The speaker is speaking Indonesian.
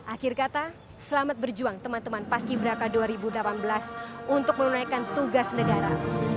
akhir kata selamat berjuang teman teman paski beraka dua ribu delapan belas untuk menunaikan tugas negara